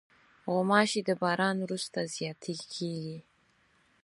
غوماشې د باران وروسته زیاتې کېږي.